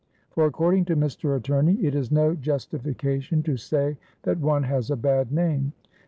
For according to Mr. Attorney, it is no justification to say that one has a bad name.